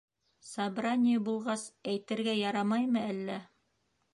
Собрание булғас, әйтергә ярамаймы әллә?